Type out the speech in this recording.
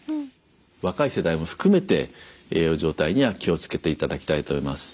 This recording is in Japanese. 若い世代も含めて栄養状態には気をつけていただきたいと思います。